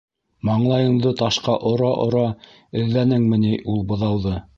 - Маңлайыңды ташҡа ора-ора эҙләнеңме ни ул быҙауҙы?